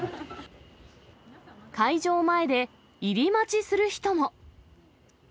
会場前で入り待ちする人も。